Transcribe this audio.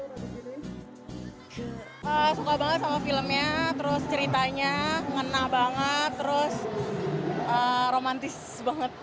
dilan dengan filmnya ceritanya ngenah banget romantis banget